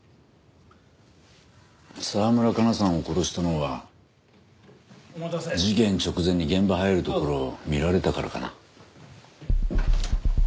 澤村香奈さんを殺したのは事件直前に現場入るところを見られたからかな。